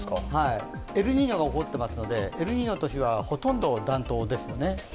エルニーニョが起こってますので、エルニーニョの年はほとんど暖冬ですよね。